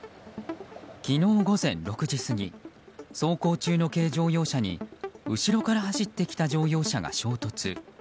昨日午前６時過ぎ走行中の軽乗用車に後ろから走ってきた乗用車が衝突。